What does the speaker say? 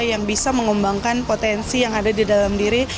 yang bisa mengembangkan potensi yang ada di dalam diri